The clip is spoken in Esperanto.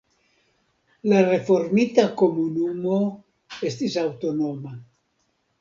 La reformita komunumo estis aŭtonoma.